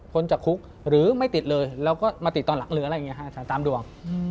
คนจะคุกหรือไม่ติดเลยแล้วก็มาติดตอนหลังเรืออะไรอย่างเงี้ยฮะตามดวง